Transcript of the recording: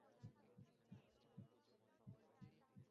জেলার প্রত্যেকেই একে অপরকে নিজ নিজ অবস্থান থেকে সহায়তা করে থাকে।